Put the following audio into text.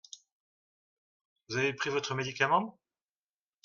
Vous avez pris votre médicament ?